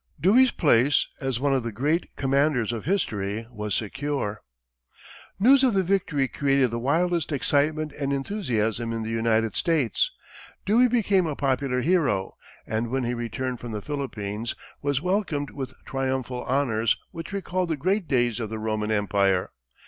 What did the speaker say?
Dewey's place as one of the great commanders of history was secure. News of the victory created the wildest excitement and enthusiasm in the United States. Dewey became a popular hero, and when he returned from the Philippines, was welcomed with triumphal honors, which recalled the great days of the Roman empire.